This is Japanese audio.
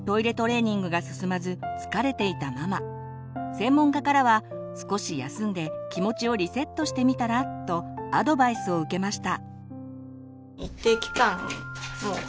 専門家からは「少し休んで気持ちをリセットしてみたら」とアドバイスを受けました。